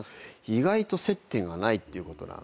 意外と接点がないっていうことなので。